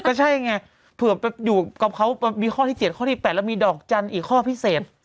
ก็ใช่ไงเผื่อไปอยู่กับเขามีข้อที่๗ข้อที่๘แล้วมีดอกจันทร์อีกข้อพิเศษ